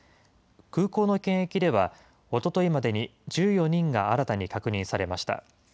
空港の検疫では、おとといまでに１４人が新たに確認されました。